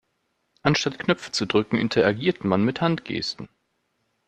Anstatt Knöpfe zu drücken, interagiert man mit Handgesten.